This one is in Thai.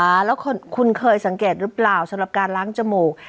แล้วคุณเคยสังเกตหรือเปล่าสำหรับการล้างจมูก